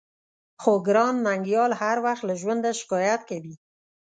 خو ګران ننګيال هر وخت له ژونده شکايت کوي.